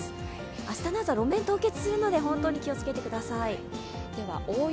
明日の朝、路面凍結するので本当に気をつけてください。